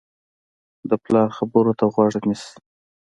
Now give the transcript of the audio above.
د پلار خبرو ته غوږ نیسي.